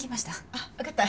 あっわかった。